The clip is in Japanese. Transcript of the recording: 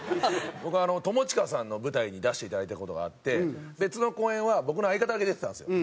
僕友近さんの舞台に出していただいた事があって別の公演は僕の相方だけ出てたんですよ。